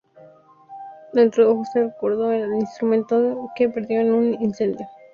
La introdujo en recuerdo al instrumento que perdió en un incendio.